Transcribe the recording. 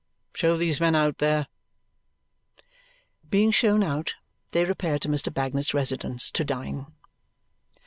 Show these men out, there!" Being shown out, they repair to Mr. Bagnet's residence to dine.